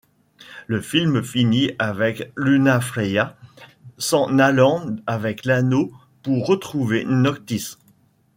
Le film finit avec Lunafreya s'en allant avec l'Anneau pour retrouver Noctis.